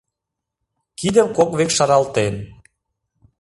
Кидым кок век шаралтен